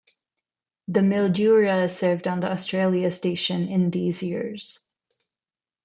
The "Mildura" served on the Australia Station in these years.